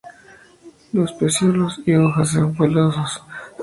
Los pecíolos y las hojas son pilosos.